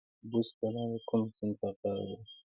بست کلا د کوم سیند په غاړه ده؟